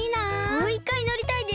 もういっかいのりたいです！